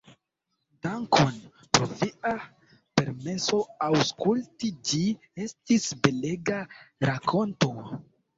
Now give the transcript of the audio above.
Dankon pro via permeso aŭskulti, ĝi estis belega rakonto.